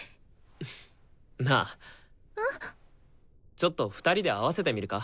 ちょっと２人で合わせてみるか？